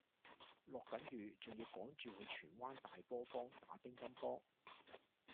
落緊雨仲要趕住去荃灣大陂坊打乒乓波